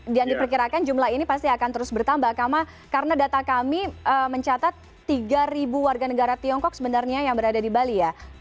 dan diperkirakan jumlah ini pasti akan terus bertambah karena data kami mencatat tiga warga negara tiongkok sebenarnya yang berada di bali ya